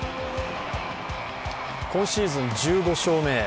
今シーズン１５勝目へ。